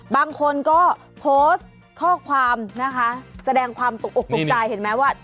บางคนก็โพสต์ข้อความนะคะแสดงความตกออกตกใจเห็นไหมว่า